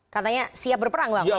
katanya siap berperang mbak maksudnya